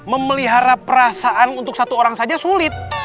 memelihara perasaan untuk satu orang saja sulit